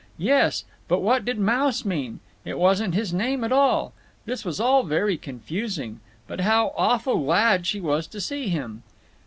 Yes, but what did Mouse mean? It wasn't his name at all. This was all very confusing. But how awful glad she was to see him!